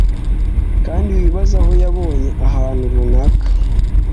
kandi wibaze aho yabonye ahantu runaka